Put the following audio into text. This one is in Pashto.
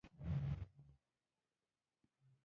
د پسرلي په موسم کې حشرات پر ونو بریدونه کوي په پښتو وینا.